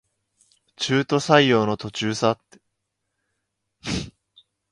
中途採用の途中さ